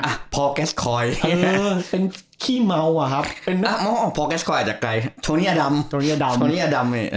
อ่ะพอร์แก๊สคอยด์เออเป็นขี้เมาหรอครับอ่ะมองของพอร์แก๊สคอยด์จากไกลโทนี่อดัมโทนี่อดัมโทนี่อดัมเนี้ย